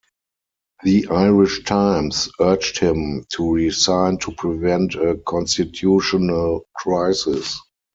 "The Irish Times" urged him to resign to prevent a constitutional crisis.